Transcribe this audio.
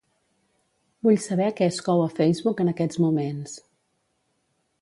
Vull saber què es cou a Facebook en aquests moments.